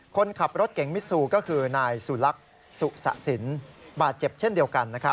คนขับรถเก่งมิซูก็คือนายสุลักษ์สุสะสินบาดเจ็บเช่นเดียวกัน